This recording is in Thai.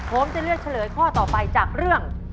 ผมจะเลือกเฉลยข้อต่อไปจากเรื่อง